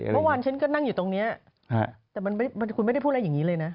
เมื่อวานฉันก็นั่งอยู่ตรงนี้แต่มันคุณไม่ได้พูดอะไรอย่างนี้เลยนะ